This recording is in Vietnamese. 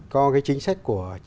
có cái chính sách của